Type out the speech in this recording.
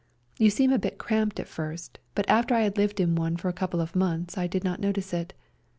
You seem a bit cramped at first, but after I had lived in one for a couple of months I did not notice it.